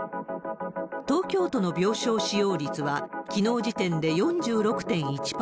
東京都の病床使用率はきのう時点で４６．１％。